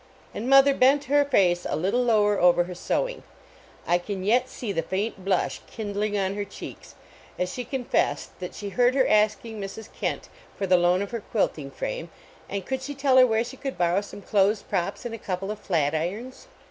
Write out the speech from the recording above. And mother bent her face a little lower over her sewing I can yet see the faint blush kindling on her cheeks as she confessed that she heard her asking Mrs. Kent for the loan of her quilting frume, and " could she tell her where she could borrow some clothes props and a couple of flat irons.